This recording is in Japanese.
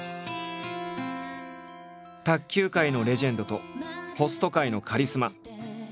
卓球界のレジェンドとホスト界のカリスマ。